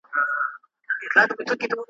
ډېر خلک د واکسین د پایلې په اړه فکر کوي.